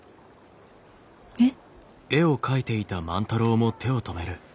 えっ？